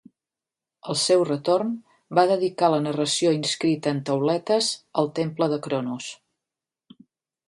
Al seu retorn, va dedicar la narració inscrita en tauletes al temple de Cronos.